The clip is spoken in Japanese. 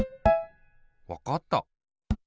わかった！